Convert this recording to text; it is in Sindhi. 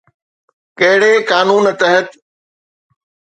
ڪهڙي قانون تحت؟